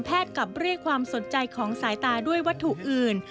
กลับเรียกความสนใจของสายตาด้วยวัตถุอื่น